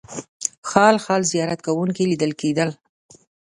خال خال زیارت کوونکي لیدل کېدل.